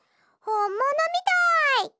ほんものみたい！